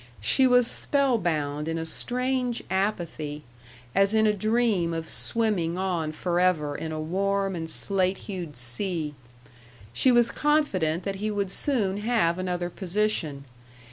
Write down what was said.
She was spellbound in a strange apathy, as in a dream of swimming on forever in a warm and slate hued sea. She was confident that he would soon have another position.